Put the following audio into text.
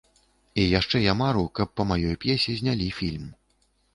І яшчэ я мару, каб па маёй п'есе знялі фільм.